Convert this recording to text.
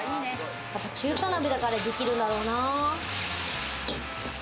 中華鍋だからできるんだろうな。